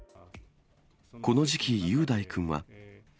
この時期、雄大君は。